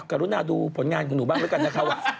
รุณาดูผลงานของหนูบ้างแล้วกันนะคะว่า